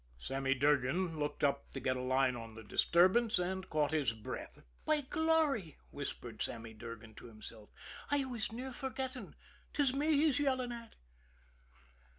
Sammy Durgan looked up to get a line on the disturbance and caught his breath. "By glory!" whispered Sammy Durgan to himself. "I was near forgetting 'tis me he's yelling at."